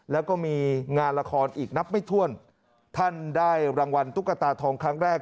แล้วก็มีงานละครอีกนับไม่ถ้วนท่านได้รางวัลตุ๊กตาทองครั้งแรก